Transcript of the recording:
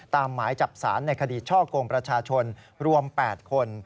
หมายจับสารในคดีช่อกงประชาชนรวม๘คน